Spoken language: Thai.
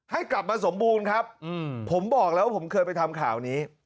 ให้กลับมาสมบูรณ์ครับผมบอกแล้วว่าผมเคยไปทำข่าวนี้